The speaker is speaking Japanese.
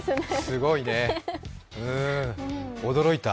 すごいね、驚いた。